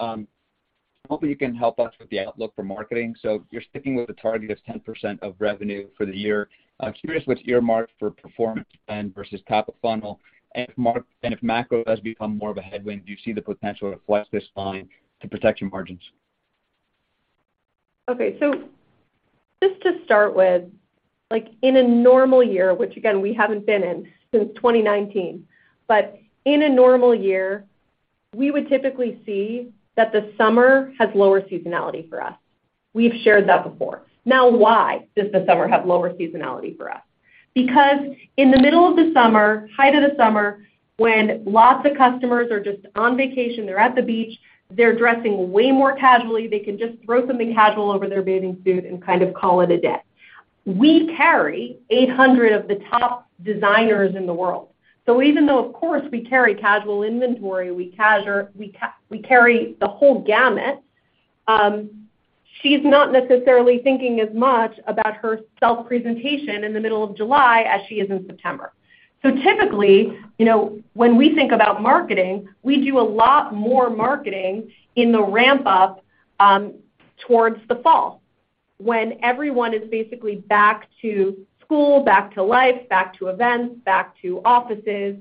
hopefully you can help us with the outlook for marketing. You're sticking with the target of 10% of revenue for the year. I'm curious what's earmarked for performance plan versus top of funnel, and if macro has become more of a headwind, do you see the potential to flex this line to protect your margins? Okay. Just to start with, like in a normal year, which again we haven't been in since 2019, but in a normal year, we would typically see that the summer has lower seasonality for us. We've shared that before. Now, why does the summer have lower seasonality for us? Because in the middle of the summer, height of the summer, when lots of customers are just on vacation, they're at the beach, they're dressing way more casually, they can just throw something casual over their bathing suit and kind of call it a day. We carry 800 of the top designers in the world. Even though of course we carry casual inventory, we carry the whole gamut, she's not necessarily thinking as much about her self-presentation in the middle of July as she is in September. Typically, you know, when we think about marketing, we do a lot more marketing in the ramp up towards the fall when everyone is basically back to school, back to life, back to events, back to offices.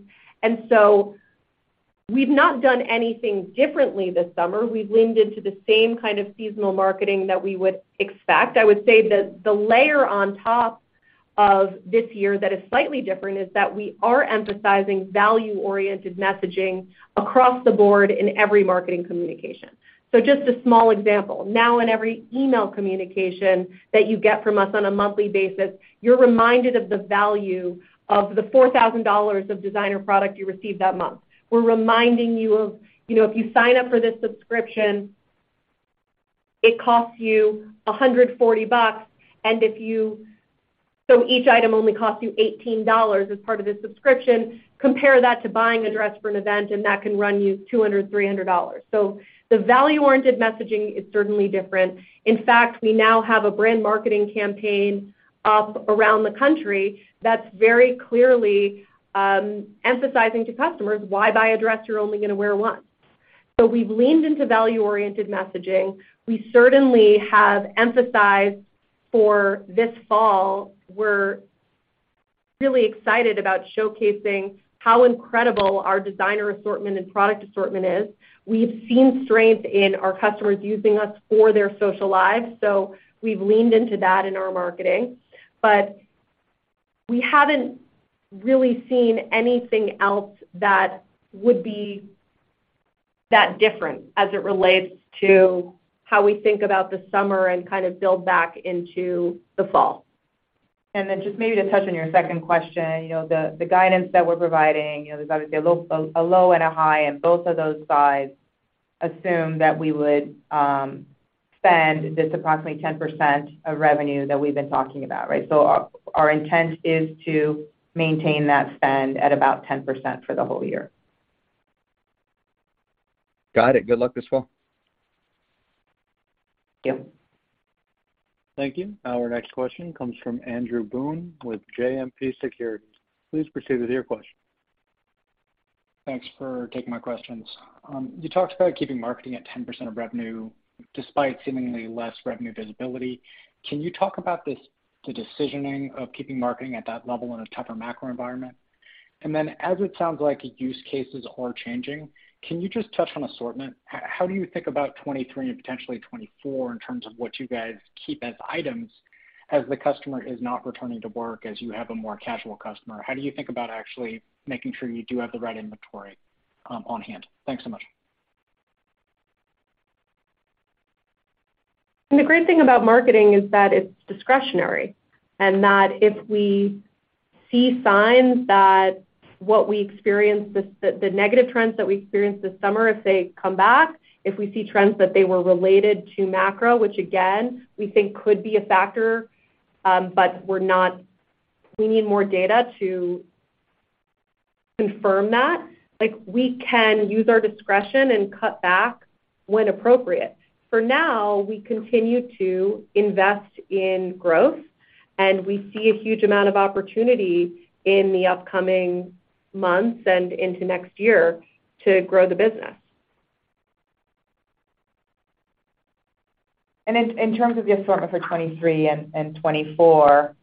We've not done anything differently this summer. We leaned into the same kind of seasonal marketing that we would expect. I would say that the layer on top of this year that is slightly different is that we are emphasizing value-oriented messaging across the board in every marketing communication. Just a small example. Now, in every email communication that you get from us on a monthly basis, you're reminded of the value of the $4,000 of designer product you received that month. We're reminding you of, you know, if you sign up for this subscription, it costs you $140, and so each item only costs you $18 as part of this subscription. Compare that to buying a dress for an event, and that can run you $200, $300. So the value-oriented messaging is certainly different. In fact, we now have a brand marketing campaign up around the country that's very clearly emphasizing to customers why buy a dress you're only gonna wear once. We've leaned into value-oriented messaging. We certainly have emphasized for this fall, we're really excited about showcasing how incredible our designer assortment and product assortment is. We've seen strength in our customers using us for their social lives, so we've leaned into that in our marketing. But we haven't really seen anything else that would be that different as it relates to how we think about the summer and kind of build back into the fall. Just maybe to touch on your second question, you know, the guidance that we're providing, you know, there's obviously a low and a high, and both of those sides assume that we would spend this approximately 10% of revenue that we've been talking about, right? Our intent is to maintain that spend at about 10% for the whole year. Got it. Good luck this fall. Yep. Thank you. Our next question comes from Andrew Boone with JMP Securities. Please proceed with your question. Thanks for taking my questions. You talked about keeping marketing at 10% of revenue despite seemingly less revenue visibility. Can you talk about this, the decisioning of keeping marketing at that level in a tougher macro environment? As it sounds like use cases are changing, can you just touch on assortment? How do you think about 2023 and potentially 2024 in terms of what you guys keep as items as the customer is not returning to work, as you have a more casual customer? How do you think about actually making sure you do have the right inventory on hand? Thanks so much. The great thing about marketing is that it's discretionary, and that if we see signs that the negative trends that we experienced this summer, if they come back, if we see trends that they were related to macro, which again, we think could be a factor, but we're not. We need more data to confirm that. Like, we can use our discretion and cut back when appropriate. For now, we continue to invest in growth, and we see a huge amount of opportunity in the upcoming months and into next year to grow the business. And in terms of the assortment for 2023 and 2024,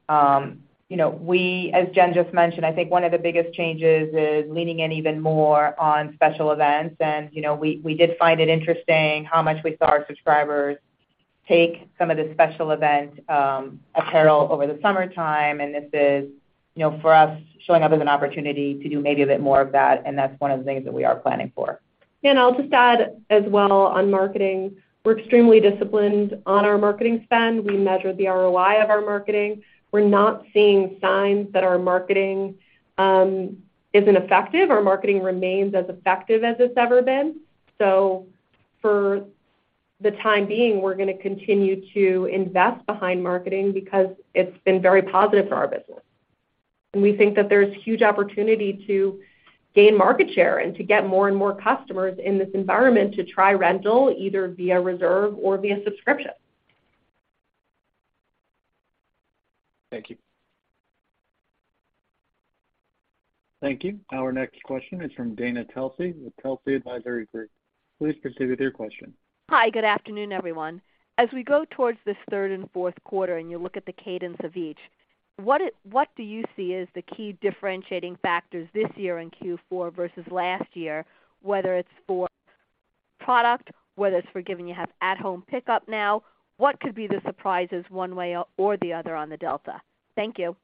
you know, we as Jen just mentioned, I think one of the biggest changes is leaning in even more on special events. You know, we did find it interesting how much we saw our subscribers take some of the special event apparel over the summertime, and this is, you know, for us, showing up as an opportunity to do maybe a bit more of that, and that's one of the things that we are planning for. Yeah. I'll just add as well on marketing, we're extremely disciplined on our marketing spend. We measure the ROI of our marketing. We're not seeing signs that our marketing, isn't effective. Our marketing remains as effective as it's ever been. For the time being, we're gonna continue to invest behind marketing because it's been very positive for our business. We think that there's huge opportunity to gain market share and to get more and more customers in this environment to try rental either via Reserve or via Subscription. Thank you. Thank you. Our next question is from Dana Telsey with Telsey Advisory Group. Please proceed with your question. Hi. Good afternoon, everyone. As we go towards this third and fourth quarter, and you look at the cadence of each, what do you see as the key differentiating factors this year in Q4 versus last year, whether it's for product, whether it's for given you have At-Home Pickup now, what could be the surprises one way or the other on the delta? Thank you.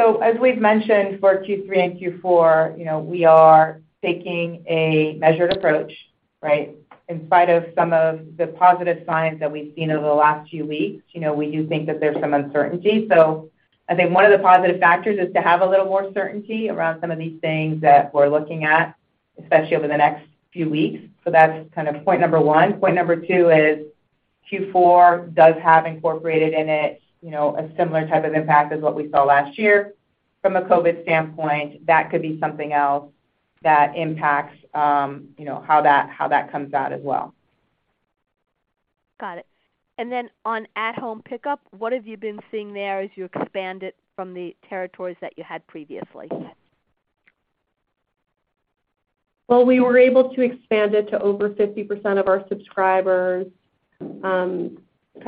As we've mentioned for Q3 and Q4, you know, we are taking a measured approach, right? In spite of some of the positive signs that we've seen over the last few weeks, you know, we do think that there's some uncertainty. So I think one of the positive factors is to have a little more certainty around some of these things that we're looking at, especially over the next few weeks. So that's kind of point number one. Point number two is Q4 does have incorporated in it, you know, a similar type of impact as what we saw last year from a COVID standpoint. That could be something else that impacts, you know, how that comes out as well. Got it. On At-Home Pickup, what have you been seeing there as you expand it from the territories that you had previously? Well, we were able to expand it to over 50% of our subscribers, kind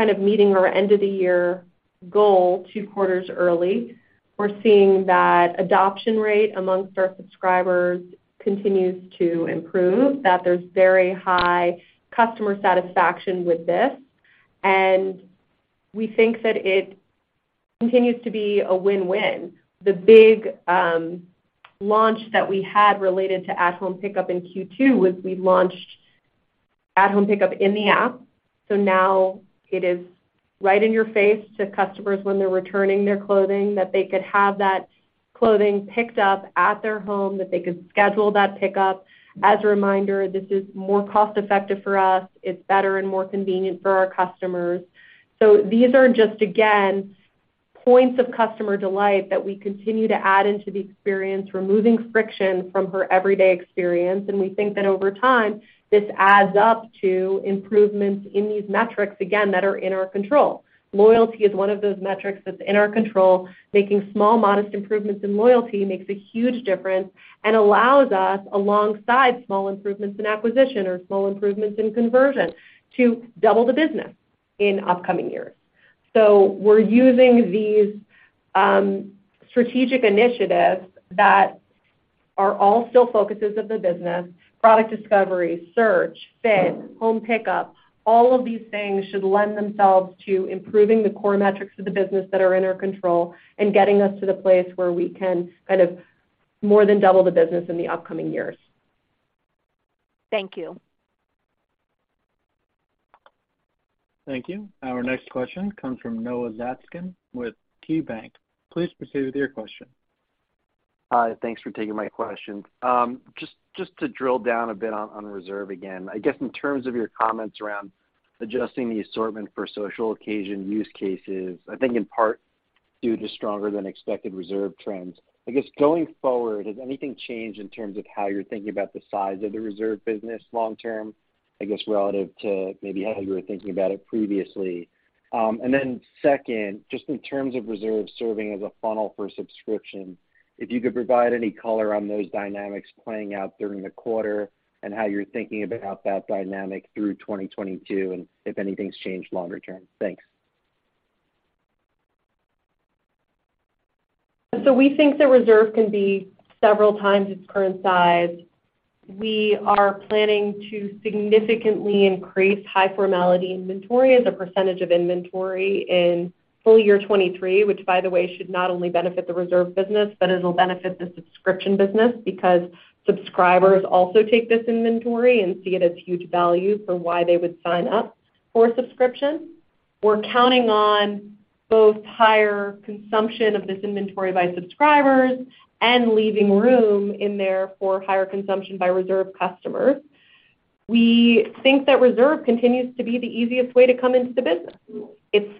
of meeting our end-of-the-year goal two quarters early. We're seeing that adoption rate among our subscribers continues to improve, that there's very high customer satisfaction with this, and we think that it continues to be a win-win. The big launch that we had related to At-Home Pickup in Q2 was we launched At-Home Pickup in the app. Now it is right in your face to customers when they're returning their clothing that they could have that clothing picked up at their home, that they could schedule that pickup. As a reminder, this is more cost-effective for us. It's better and more convenient for our customers. These are just, again, points of customer delight that we continue to add into the experience, removing friction from their everyday experience. We think that over time, this adds up to improvements in these metrics, again, that are in our control. Loyalty is one of those metrics that's in our control. Making small, modest improvements in loyalty makes a huge difference and allows us, alongside small improvements in acquisition or small improvements in conversion, to double the business in upcoming years. We're using these, strategic initiatives that are all still focuses of the business, product discovery, search, fit, At-Home Pickup. All of these things should lend themselves to improving the core metrics of the business that are in our control and getting us to the place where we can kind of more than double the business in the upcoming years. Thank you. Thank you. Our next question comes from Noah Zatzkin with KeyBanc Capital Markets. Please proceed with your question. Hi, thanks for taking my question. Just to drill down a bit on Reserve again. I guess in terms of your comments around adjusting the assortment for social occasion use cases, I think in part due to stronger than expected Reserve trends. I guess going forward, has anything changed in terms of how you're thinking about the size of the Reserve business long term, I guess, relative to maybe how you were thinking about it previously? Second, just in terms of Reserve serving as a funnel for Subscription, if you could provide any color on those dynamics playing out during the quarter and how you're thinking about that dynamic through 2022, and if anything's changed longer term. Thanks. So we think that Reserve can be several times its current size. We are planning to significantly increase high formality inventory as a percentage of inventory in full year 2023, which by the way, should not only benefit the Reserve business, but it'll benefit the Subscription business because subscribers also take this inventory and see it as huge value for why they would sign up for a Subscription. We're counting on both higher consumption of this inventory by subscribers and leaving room in there for higher consumption by Reserve customers. We think that Reserve continues to be the easiest way to come into the business. It's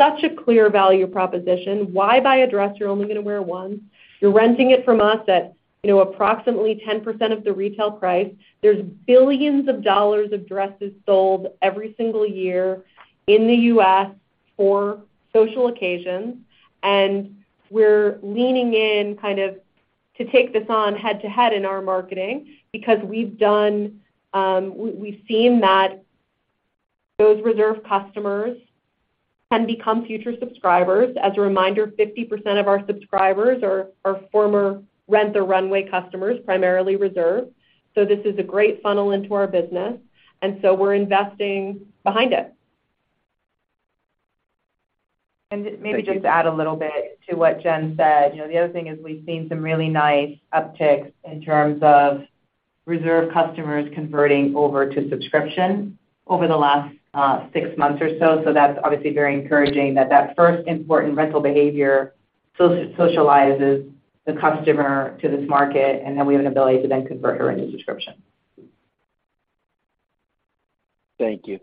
such a clear value proposition. Why buy a dress you're only gonna wear once? You're renting it from us at, you know, approximately 10% of the retail price. There's billions of dollars of dresses sold every single year in the U.S. for social occasions, and we're leaning in kind of to take this on head-to-head in our marketing because we've seen that those Reserve customers can become future subscribers. As a reminder, 50% of our subscribers are former Rent the Runway customers, primarily Reserve. This is a great funnel into our business, and we're investing behind it. And maybe just to add a little bit to what Jen said. You know, the other thing is we've seen some really nice upticks in terms of Reserve customers converting over to Subscription over the last six months or so. That's obviously very encouraging that first important rental behavior socializes the customer to this market, and then we have an ability to convert her into Subscription. Thank you.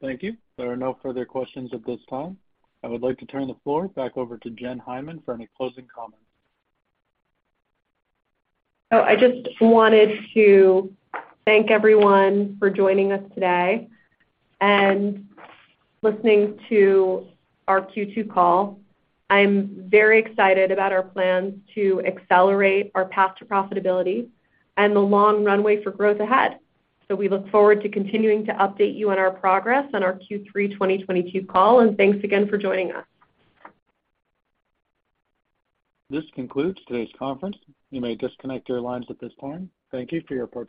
Thank you. There are no further questions at this time. I would like to turn the floor back over to Jen Hyman for any closing comments. I just wanted to thank everyone for joining us today and listening to our Q2 call. I'm very excited about our plans to accelerate our path to profitability and the long runway for growth ahead. We look forward to continuing to update you on our progress on our Q3 2022 call. Thanks again for joining us. This concludes today's conference. You may disconnect your lines at this time. Thank you for your participation.